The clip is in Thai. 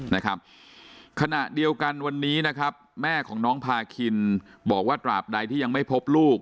นะครับขณะเดียวกันวันนี้นะครับแม่ของน้องพาคินบอกว่าตราบใดที่ยังไม่พบลูก